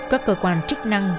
các cơ quan trức năng